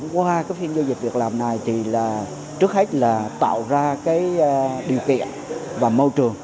qua phiên giao dịch việc làm này trước hết là tạo ra điều kiện và môi trường